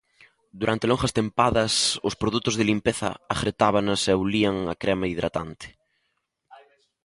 Durante longas tempadas, os produtos de limpeza agretábanas e ulían a crema hidratante.